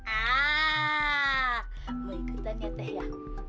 ah mau ikutannya teh ya